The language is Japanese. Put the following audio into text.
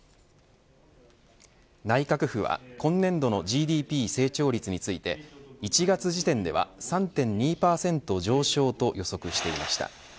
内閣府は今年度のＧＤＰ成長率について１月時点では、３．２％上昇と予測していました。